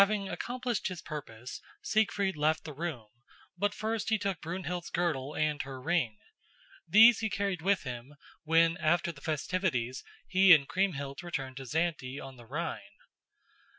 Having accomplished his purpose, Siegfried left the room, but first he took Brunhild's girdle and her ring. These he carried with him when after the festivities he and Kriemhild returned to Xante on the Rhine.